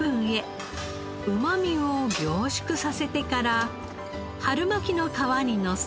うまみを凝縮させてから春巻きの皮にのせ。